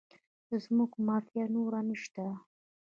د ځمکو مافیا نور نشته؟